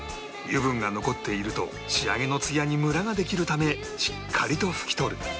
油分が残っていると仕上げのツヤにムラができるためしっかりと拭き取る